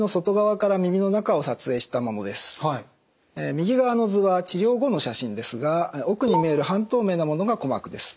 右側の図は治療後の写真ですが奥に見える半透明なものが鼓膜です。